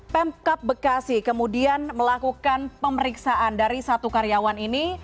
pemkap bekasi kemudian melakukan pemeriksaan dari satu karyawan ini